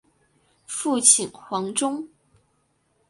父亲黄中。